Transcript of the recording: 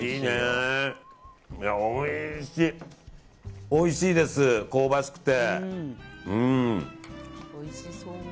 おいしいねおいしいです、香ばしくて。